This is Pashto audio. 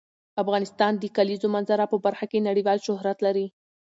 افغانستان د د کلیزو منظره په برخه کې نړیوال شهرت لري.